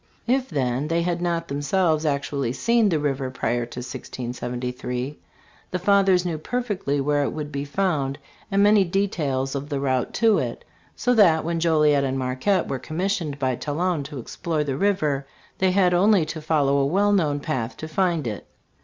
If, then, they had not themselves actually seen the river prior to 1673, the Fathers knew per fectly where it would be found and many details of the route to it; so that when Joliet and Marquette were commis TRACV \ sioned by Talon to explore the river, they had only to follow a well known path to find it.